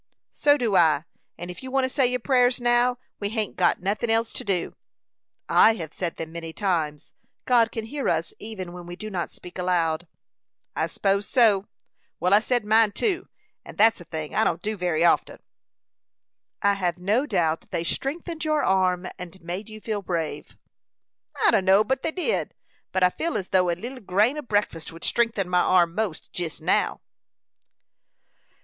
"So do I; and ef you want to say your prayers now, we hain't got nothin' else to do." "I have said them many times; God can hear us even when we do not speak aloud." "I s'pose so; well, I said mine, too; and that's a thing I don't do very often." "I have no doubt they strengthened your arm, and made you feel brave." "I dunno but they did; but I feel as though a leetle grain o' breakfast would strengthen my arm most jest now."